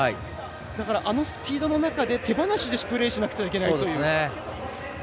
だから、あのスピードの中で手放しでプレーしなくてはいけないという。